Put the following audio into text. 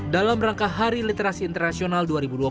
dalam rangka hari literasi internasional dua ribu dua puluh